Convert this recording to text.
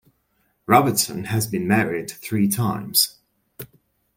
Robertson has been married three times.